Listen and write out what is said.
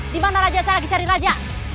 di mana raja saya lagi cari raja